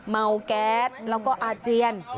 เมาแก๊สแล้วก็อาเจียน